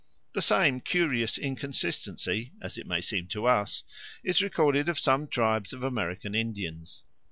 The same curious inconsistency, as it may seem to us, is recorded of some tribes of American Indians.